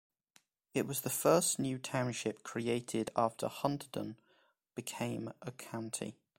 It was the first new township created after Hunterdon became a county.